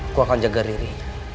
aku akan jaga riri